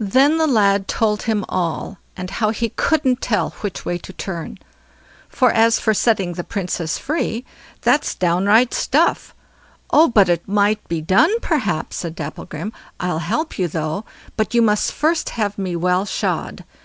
Then the lad told him all, and how he couldn't tell which way to turn: "For as for setting the Princess free, that's downright stuff." "Oh! but it might be done, perhaps", said Dapplegrim. "I'll help you through; but you must first have me well shod.